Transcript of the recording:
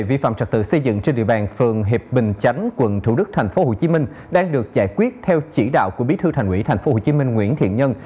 vi phạm trật tự xây dựng trên địa bàn phường hiệp bình chánh quận thủ đức tp hcm đang được giải quyết theo chỉ đạo của bí thư thành ủy tp hcm nguyễn thiện nhân